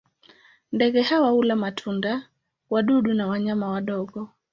Ndege hawa hula matunda, wadudu na wanyama wadogo.